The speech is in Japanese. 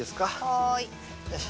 はい。